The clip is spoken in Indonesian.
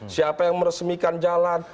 siapa yang meresmikan jalan